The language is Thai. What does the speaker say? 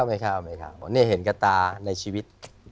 ไม่เข้านี่เห็นกระตาในชีวิต